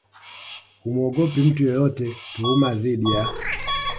hamuogopi mtu yeyote Tuhuma dhidi ya